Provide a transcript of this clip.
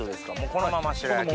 このまま白焼きって。